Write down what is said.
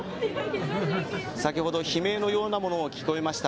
先ほど悲鳴のようなものも聞こえました。